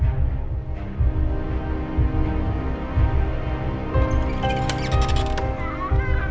di setengah pocket